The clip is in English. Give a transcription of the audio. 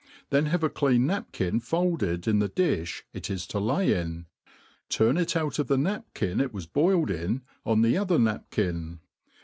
Then have a clean napkin folded in the. difh it is to lay in, turn it out of the napkin it was boiled in, on the other napkin.